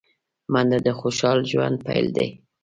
منډه د خوشال ژوند پيل دی